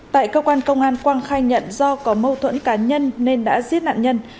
tại cơ quan công an quang khai nhận do có mâu thuẫn cá nhân nên đã giết nạn nhân